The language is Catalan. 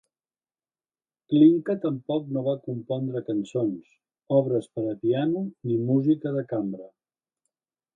Glinka tampoc no va compondre cançons, obres per a piano, ni música de cambra.